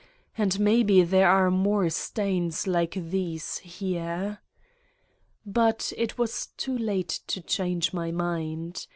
... and, maybe there are more stains like these here. But it was too late to change my mind.